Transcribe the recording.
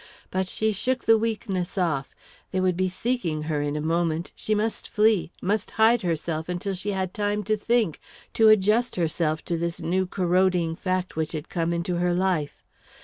But she shook the weakness off they would be seeking her in a moment; she must flee, must hide herself, until she had time to think, to adjust herself to this new, corroding fact which had come into her life.